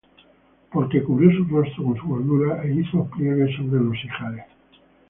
Porque cubrió su rostro con su gordura, E hizo pliegues sobre los ijares;